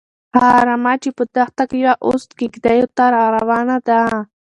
هغه رمه چې په دښته کې وه، اوس کيږديو ته راروانه ده.